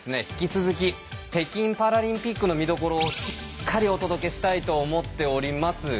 引き続き北京パラリンピックの見どころをしっかりお届けしたいと思っております。